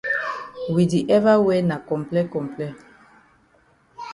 We we di ever wear na comple comple.